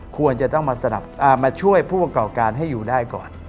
ควรจะต้องมาช่วยผู้ประกอบการให้อยู่ได้ก่อน